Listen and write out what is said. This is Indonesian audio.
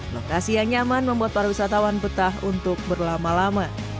lokasi yang nyaman membuat para wisatawan betah untuk berlama lama